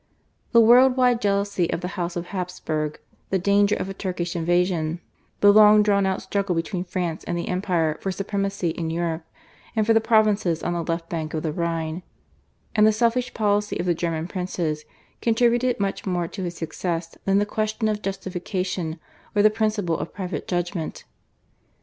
The world wide jealousy of the House of Habsburg, the danger of a Turkish invasion, the long drawn out struggle between France and the Empire for supremacy in Europe and for the provinces on the left bank of the Rhine, and the selfish policy of the German princes, contributed much more to his success than the question of justification or the principle of private judgment.